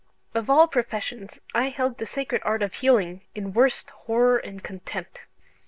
Of all professions I held the sacred art of healing in worst horror and contempt.